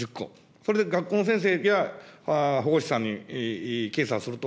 それで学校の先生や保護者さんに検査をすると。